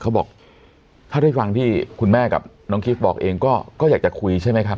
เขาบอกถ้าได้ฟังที่คุณแม่กับน้องกิฟต์บอกเองก็อยากจะคุยใช่ไหมครับ